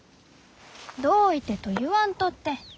「どういて？」と言わんとって。